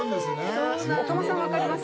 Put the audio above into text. お釜さん、分かります？